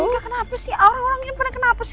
gak kenapa sih orang orang ini pernah kenapa sih